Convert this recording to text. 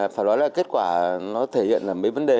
phải nói là kết quả nó thể hiện là